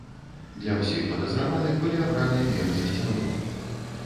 Для ўсіх падазраваных былі абраныя меры засцярогі.